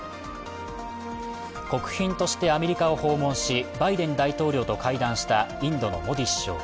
国賓としてアメリカを訪問しバイデン大統領と会談したインドのモディ首相。